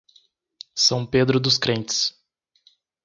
São Pedro dos Crentes